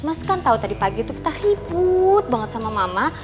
mas kan tahu tadi pagi tuh kita hiput banget sama mama